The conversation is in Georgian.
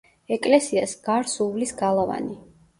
ეკლესიას გარს უვლის გალავანი.